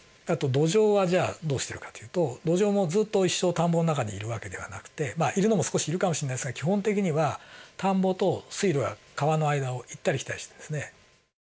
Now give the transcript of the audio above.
あとドジョウはじゃあどうしてるかというとドジョウもずっと一生田んぼの中にいる訳ではなくているのも少しいるかもしれないですが基本的には田んぼと水路や川の間を行ったり来たりしてるんですね。